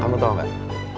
kamu tau gak